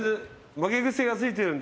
負け癖ついてるんで。